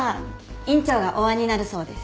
院長がお会いになるそうです。